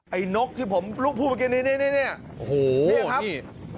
ไอ้นกที่ผมลูกพูดเมื่อกี้เนี้ยเนี้ยเนี้ยเนี้ยโอ้โหเนี้ยครับ